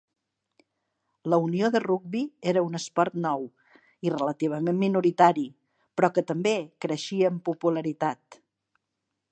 La unió de rugbi era un esport nou i relativament minoritari, però que també creixia en popularitat.